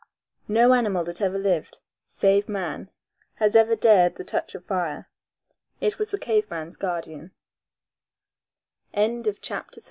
No animal that ever lived, save man, has ever dared the touch of fire. It was the cave man's guardian. CHAPTER IV. AB AND OAK.